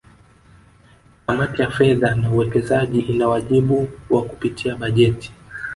Kamati ya Fedha na Uwekezaji ina wajibu wa kupitia bajeti